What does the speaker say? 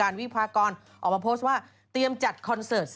อะไรสิ่งเสียงต้องเป็นพี่